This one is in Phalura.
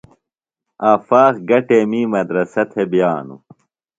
آفاق گہ ٹیمی مدرسہ تھےۡ بِیانوۡ؟